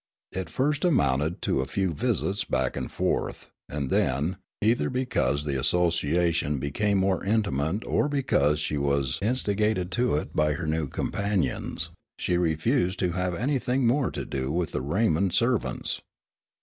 It first amounted to a few visits back and forth, and then, either because the association became more intimate or because she was instigated to it by her new companions, she refused to have anything more to do with the Raymond servants.